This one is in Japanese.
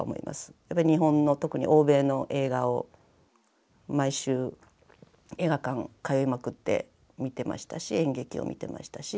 やっぱり日本の特に欧米の映画を毎週映画館通いまくって見てましたし演劇を見てましたし。